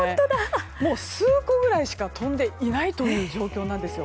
もう数個ぐらいしか飛んでいないという状況です。